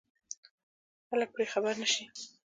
خلک پرې خبر نه شي.